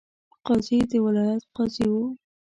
قاضي د ولایت قاضي وو.